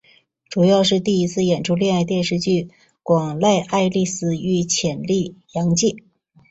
主演是第一次演出恋爱电视剧的广濑爱丽丝与浅利阳介。